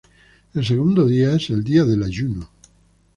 El segundo día es el día del ayuno.